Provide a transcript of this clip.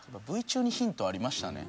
Ｖ中にヒントありましたね。